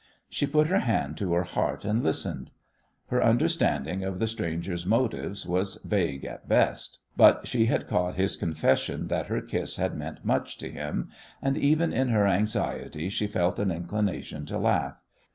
She put her hand to her heart and listened. Her understanding of the stranger's motives was vague at best, but she had caught his confession that her kiss had meant much to him, and even in her anxiety she felt an inclination to laugh.